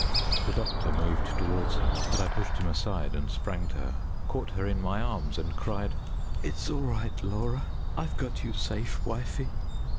The doctor moved towards her, but I pushed him aside and sprang to her; caught her in my arms and cried "It's all right, Laura! I've got you safe, wifie."